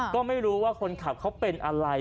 ก็ไม่รู้ว่าคนขับเขาเป็นอะไร